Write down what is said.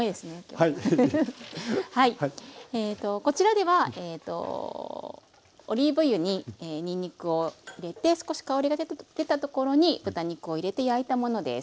こちらではオリーブ油ににんにくを入れて少し香りが出たところに豚肉を入れて焼いたものです。